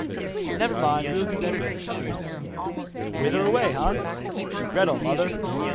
'Never mind, will do better next time.' 'Whither away, Hans?' 'To Gretel, mother.